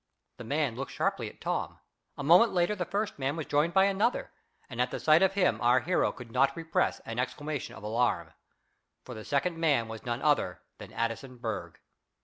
The man looked sharply at Tom. A moment later the first man was joined by another, and at the sight of him our hero could not repress an exclamation of alarm. For the second man was none other than Addison Berg.